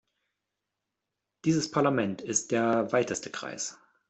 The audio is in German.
Dieses Parlament ist der weiteste Kreis.